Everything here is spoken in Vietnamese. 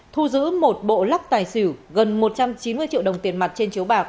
thu giữ một bộ lắc tài xỉu gần một trăm chín mươi triệu đồng tiền mặt trên chiếu bạc